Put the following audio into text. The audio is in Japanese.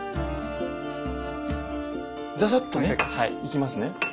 ざざっとねいきますね。